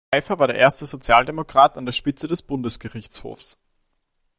Pfeiffer war der erste Sozialdemokrat an der Spitze des Bundesgerichtshofs.